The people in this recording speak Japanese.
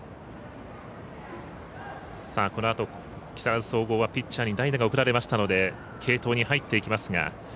このあと木更津総合はピッチャーに代打が送られましたので継投に入っていきますが。